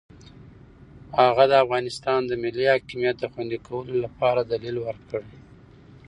هغه د افغانستان د ملي حاکمیت د خوندي کولو لپاره دلیل ورکړ.